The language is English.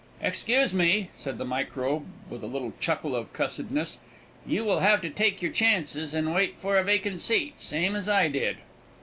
"Excuse me," said the microbe, with a little chuckle of cussedness, "you will have to take your chances, and wait for a vacant seat, same as I did."